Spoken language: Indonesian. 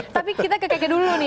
tapi kita ke kakek dulu nih